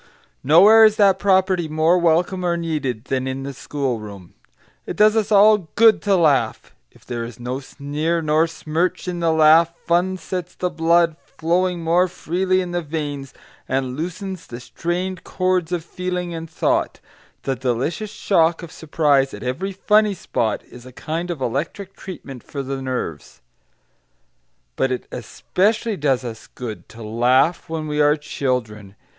Nowhere is that property more welcome or needed than in the schoolroom. It does us all good to laugh, if there is no sneer nor smirch in the laugh; fun sets the blood flowing more freely in the veins, and loosens the strained cords of feeling and thought; the delicious shock of surprise at every "funny spot" is a kind of electric treatment for the nerves. But it especially does us good to laugh when we are children.